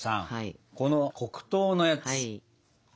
この黒糖のやつ。